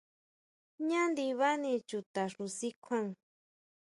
Jñá ndibani chuta xu si kjuan.